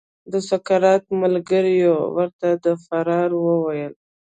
د سقراط ملګریو ورته د فرار وویل.